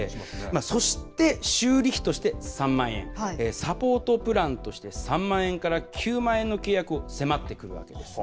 そして、修理費として３万円、サポートプランとして３万円から９万円の契約を迫ってくるわけです。